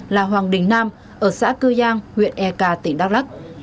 là hoàng đình nam ở xã cư giang huyện eka tỉnh đắk lắc